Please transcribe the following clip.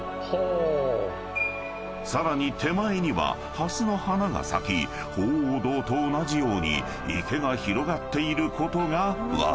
［さらに手前には蓮の花が咲き鳳凰堂と同じように池が広がっていることが分かる］